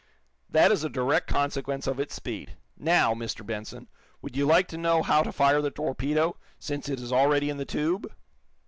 That is a direct consequence of its speed. Now, Mr. Benson, would you like to know how to fire the torpedo, since it is already in the tube?"